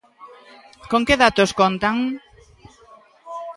¿Con que datos contan?